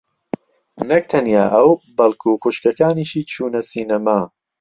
نەک تەنیا ئەو بەڵکوو خوشکەکانیشی چوونە سینەما.